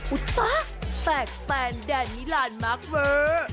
อุ๊ต๊ะแตกแปนแด่นนิราณมากเวอร์